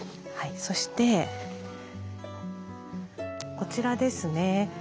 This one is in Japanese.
そしてこちらですね。